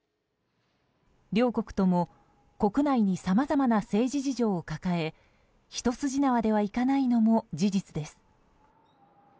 両国とも国内にさまざまな政治事情を抱え一筋縄ではいかないのも事実です。